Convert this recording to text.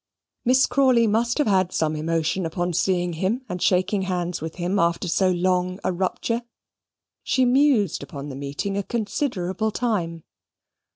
Miss Crawley must have had some emotion upon seeing him and shaking hands with him after so long a rupture. She mused upon the meeting a considerable time.